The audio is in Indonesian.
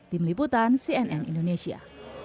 tim liputan cnn indonesia